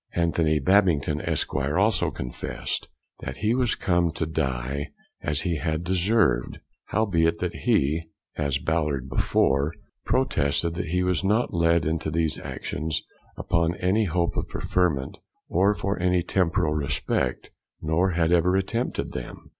Anthony Babington, Esq., also confessed, That he was come to die, as he had deserved; howbeit that he (as Ballard before) protested that he was not led into those actions upon hope of preferment, or for any temporal respect; nor had ever attempted them.